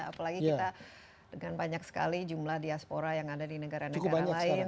apalagi kita dengan banyak sekali jumlah diaspora yang ada di negara negara lain